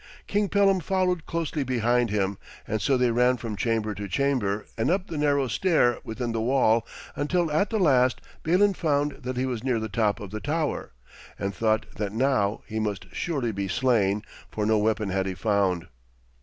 King Pellam followed closely behind him, and so they ran from chamber to chamber, and up the narrow stair within the wall, until at the last Balin found that he was near the top of the tower, and thought that now he must surely be slain, for no weapon had he found.